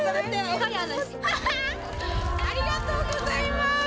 ありがとうございます。